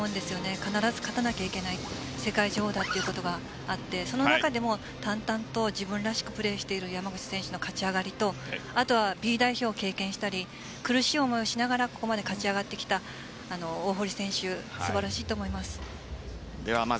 必ず勝たなきゃいけない世界女王だということがあってその中でも淡々と自分らしくプレーしている山口選手の勝ち上がりとＢ代表を経験したり苦しい思いをしながらここまで勝ち上がってきた大堀選手、素晴らしいと思います。